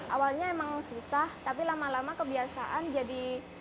awalnya emang susah tapi lama lama kebiasaan jadi